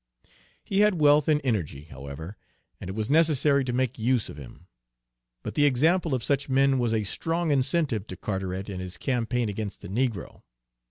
He had wealth and energy, however, and it was necessary to make use of him; but the example of such men was a strong incentive to Carteret in his campaign against the negro.